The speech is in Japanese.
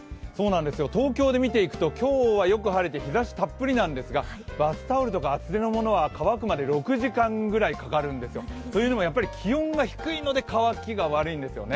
東京で見ていくと今日は日ざしたっぷりなんですがバスタオルとか厚手のものは乾くまで６時間ぐらいかかるんですよ。というのも気温が低いので乾きが悪いんですね。